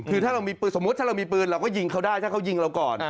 คือถ้าเรามีปืนสมมุติถ้าเรามีปืนเราก็ยิงเขาได้ถ้าเขายิงเราก่อน